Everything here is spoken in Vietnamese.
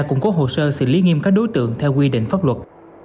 củng cố hồ sơ xử lý nghiêm các đối tượng theo quy định pháp luật